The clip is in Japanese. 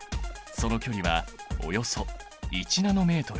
その距離はおよそ１ｎｍ。